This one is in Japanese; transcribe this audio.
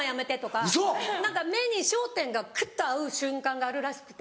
何か目に焦点がクッ！と合う瞬間があるらしくて。